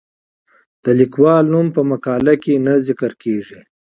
د لیکوال نوم په مقاله کې نه ذکر کیږي.